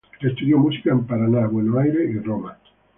Estudió música en Paraná, Buenos Aires y Roma.